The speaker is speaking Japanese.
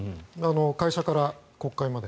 会社から国会まで。